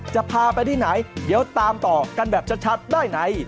จะพาไปที่ไหนเดี๋ยวตามต่อกันแบบชัดได้ใน